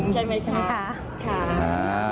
ใช่มั้ยคะ